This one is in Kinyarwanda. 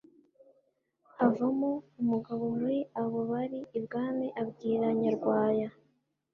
havamo umugabo muri abo bari i bwami abwira Nyarwaya